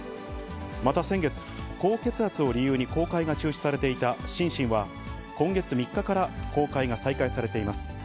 また先月、高血圧を理由に公開が中止されていたシンシンは、今月３日から公開が再開されています。